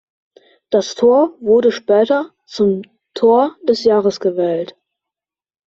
Das Tor wurde später zum Tor des Jahres gewählt.